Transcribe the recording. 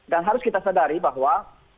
dan harus kita sadari bahwa